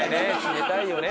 寝たいよね